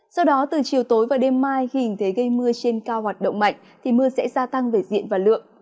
sau đó từ chiều tối và đêm mai khi hình thế gây mưa trên cao hoạt động mạnh thì mưa sẽ gia tăng về diện và lượng